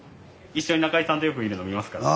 一緒に中居さんとよくいるの見ますから。